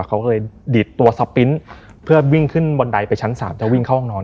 เขาก็เลยดีดตัวสปริ้นต์เพื่อวิ่งขึ้นบันไดไปชั้น๓จะวิ่งเข้าห้องนอน